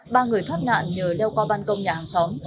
ba người thoát nạn nhờ leo qua ban công nhà hàng xóm